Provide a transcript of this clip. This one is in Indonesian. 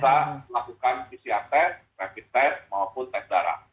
dan ini alat yang bisa melakukan pcr test rapid test maupun tes darah